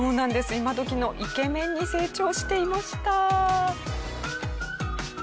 今どきのイケメンに成長していました。